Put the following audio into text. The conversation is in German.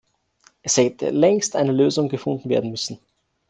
Es hätte längst eine Lösung gefunden werden müssen.